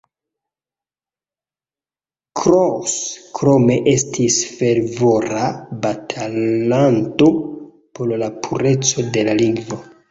Kraus krome estis fervora batalanto por la pureco de la lingvo.